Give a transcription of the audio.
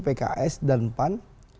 pks dan pan